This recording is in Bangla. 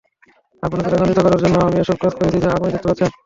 আপনাকে রাগান্বিত করার জন্যে আমি এসব কাজ করেছি যা আপনি দেখতে পাচ্ছেন।